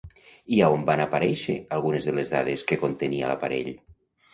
I a on van aparèixer algunes de les dades que contenia l'aparell?